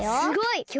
すごい！